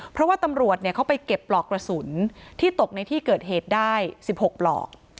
เพราะว่าตำรวจเขาไปเก็บปลอกกระสุนที่ตกในที่เกิดเหตุได้๑๖ปลอก